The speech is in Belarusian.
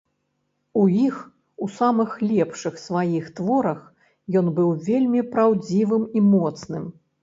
У іх, у самых лепшых сваіх творах, ён быў вельмі праўдзівым і моцным.